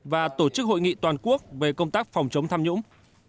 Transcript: và tổ chức hội nghị toàn quốc về công tác phòng chống tham nhũng